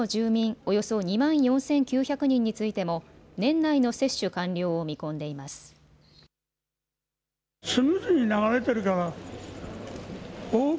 およそ２万４９００人についても年内の接種完了を見込んでいます。